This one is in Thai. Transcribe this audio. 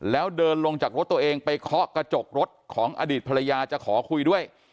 แล้วเดินลงจากรถตัวเองไปเคาะกระจกรถของอดีตภรรยาจะขอคุยด้วย